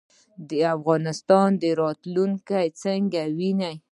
د افغانستان راتلونکی څنګه وینئ؟